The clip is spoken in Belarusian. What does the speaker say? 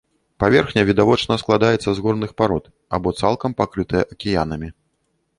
Паверхня, відавочна, складаецца з горных парод, або цалкам пакрытая акіянамі.